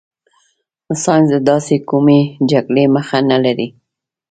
ساینس د داسې کومې جګړې مخه نه لري.